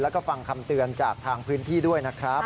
แล้วก็ฟังคำเตือนจากทางพื้นที่ด้วยนะครับ